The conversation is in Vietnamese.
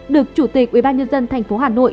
được chủ tịch ubnd tp hà nội